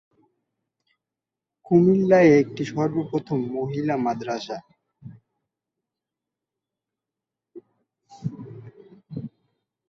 কুমিল্লায় এটিই সর্বপ্রথম মহিলা মাদ্রাসা।